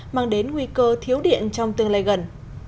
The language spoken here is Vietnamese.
mang đến nguy cơ thiếu điện trong tương lai gần